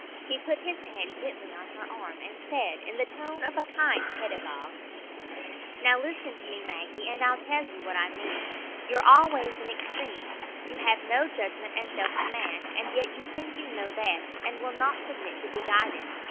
He put his hand gently on her arm, and said, in the tone of a kind pedagogue,— "Now listen to me, Maggie. I'll tell you what I mean. You're always in extremes; you have no judgment and self command; and yet you think you know best, and will not submit to be guided.